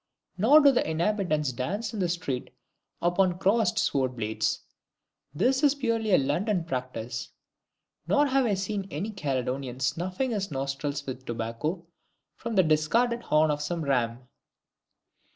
Nor do the inhabitants dance in the street upon crossed sword blades this is purely a London practice. Nor have I seen any Caledonian snuffing his nostrils with tobacco from the discarded horn of some ram.